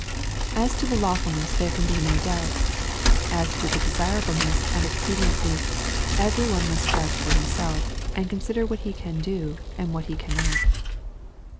As to the lawfulness there can be no doubt. As to the desirableness and expediency, every one must judge for himself, and consider what he can do, and what he can not.